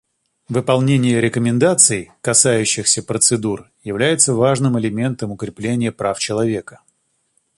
Выполнение рекомендаций, касающихся процедур, является важным элементом укрепления прав человека.